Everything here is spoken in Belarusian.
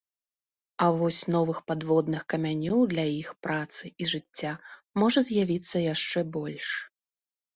А вось новых падводных камянёў для іх працы і жыцця можа з'явіцца яшчэ больш.